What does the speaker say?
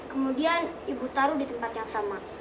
kemudian ibu taruh di tempat yang sama